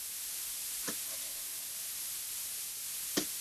不久连美雅也为了保护希布亦牺牲了性命。